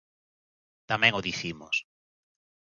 Tamén o dicimos.